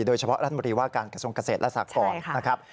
โดยเฉพาะรัฐมนตรีว่าการกระทรวงเกษตรและสากรนะครับ